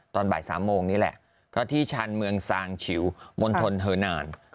ตอนบ่าย๓โมงนี่แหละก็ที่ชาญเมืองซางฉิวมณฑลเถอนาน